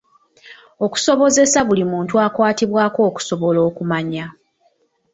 Okusobozesa buli muntu akwatibwako okusobola okumanya.